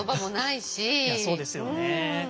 いやそうですよね。